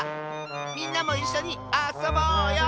みんなもいっしょにあそぼうよ！